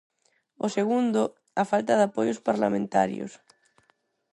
O segundo, a falta de apoios parlamentarios.